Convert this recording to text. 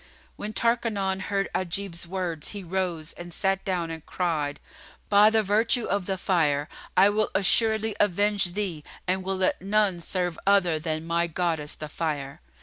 When Tarkanan heard Ajib's words, he rose and sat down and cried, "By the virtue of the Fire, I will assuredly avenge thee and will let none serve other than my goddess the Fire!"